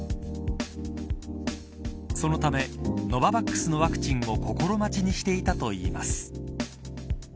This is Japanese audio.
そのため、ノババックスのワクチンを心待ちにしていたといいます。